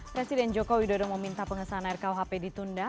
presiden joko widodo meminta pengesahan rkuhp ditunda